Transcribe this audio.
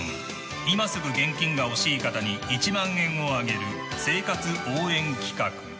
今すぐ現金が欲しい方に１万円をあげる生活応援企画。